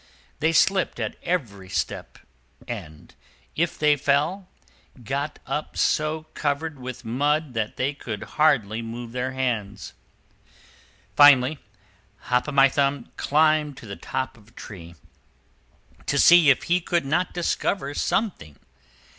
They slipped at every step, and, if they fell, got up so covered with mud that they could hardly move their hands. Finally, Hop o' My Thumb climbed to the top of a tree, to see if he could not discover something.